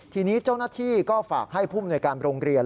ทีนี้เจ้าหน้าที่ก็ฝากให้ผู้มนวยการโรงเรียน